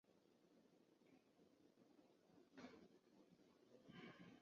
塞尔屈厄。